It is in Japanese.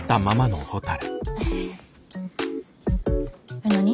えっ何？